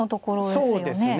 そうですね。